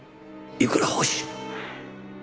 いくら欲しい？